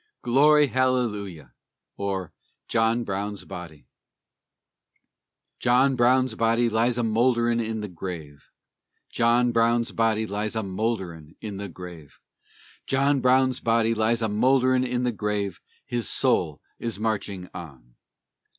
GLORY HALLELUJAH! OR JOHN BROWN'S BODY John Brown's body lies a mould'ring in the grave, John Brown's body lies a mould'ring in the grave, John Brown's body lies a mould'ring in the grave, His soul is marching on!